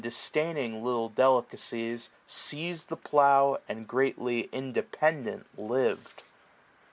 Disdaining little delicacies, seiz'd The plough, and greatly independent liv'd.